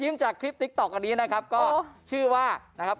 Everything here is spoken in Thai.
ในครีมทิกต็อกอันนี้นะครับก็ชื่อว่านะครับ